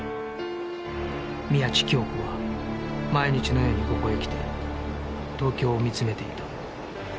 宮地杏子は毎日のようにここへ来て東京を見つめていた